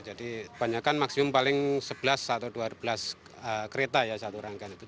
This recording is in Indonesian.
jadi banyakkan maksimum paling sebelas atau dua belas kereta ya satu rangkaian